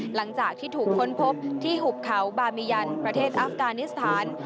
หลังจากที่ถูกค้นพบที่หุบเขาบามียันประเทศอัฟกานิสถาน